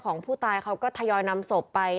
ของผู้ตายเขาก็ทยอยนำศพไป